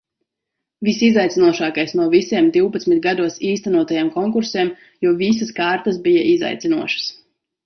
Visizaicinošākais no visiem divpadsmit gados īstenotajiem konkursiem, jo visas kārtas bija izaicinošas.